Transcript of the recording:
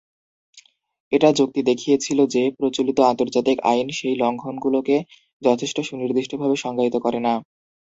এটা যুক্তি দেখিয়েছিল যে, প্রচলিত আন্তর্জাতিক আইন সেই লঙ্ঘনগুলোকে যথেষ্ট সুনির্দিষ্টভাবে সংজ্ঞায়িত করে না।